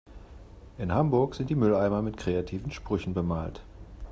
In Hamburg sind die Mülleimer mit kreativen Sprüchen bemalt.